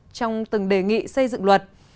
trong từng đề nghị xây dựng luật